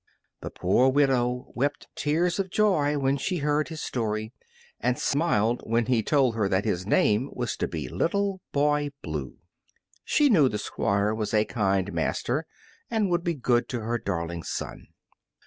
The poor widow wept tears of joy when she heard his story, and smiled when he told her that his name was to be Little Boy Blue. She knew the Squire was a kind master and would be good to her darling son.